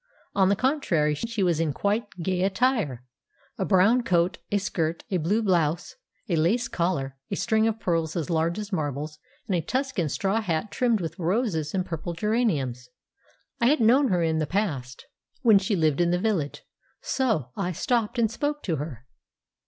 On the contrary, she was in quite gay attire—a brown coat and skirt, a blue blouse, a lace collar, a string of pearls as large as marbles, and a tuscan straw hat trimmed with roses and purple geraniums. I had known her in the past, when she lived in the village; so I stopped and spoke to her.